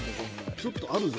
「ちょっとあるぞ」